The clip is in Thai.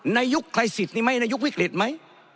ในยุคคลายสิตนี่ไหมในยุควิกฤตไหม